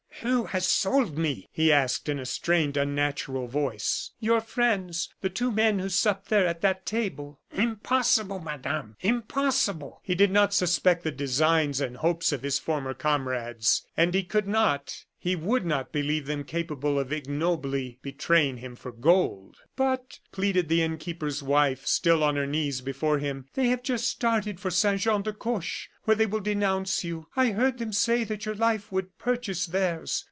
"Who has sold me?" he asked, in a strained, unnatural voice. "Your friends the two men who supped there at that table." "Impossible, Madame, impossible!" He did not suspect the designs and hopes of his former comrades; and he could not, he would not believe them capable of ignobly betraying him for gold. "But," pleaded the innkeeper's wife, still on her knees before him, "they have just started for Saint Jean de Coche, where they will denounce you. I heard them say that your life would purchase theirs.